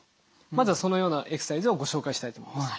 まずはそのようなエクササイズをご紹介したいと思います。